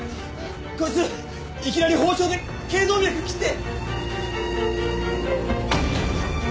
こいついきなり包丁で頸動脈切って！